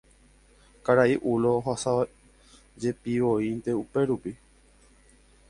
Karai Ulo ohasavajepivoínte upérupi.